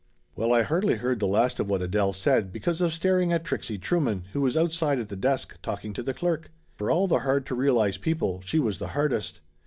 Well, I hardly heard the last of what Adele said, because of staring at Trixie Trueman, who was out side at the desk talking to the clerk. For all the hard to realize people, she was the hardest.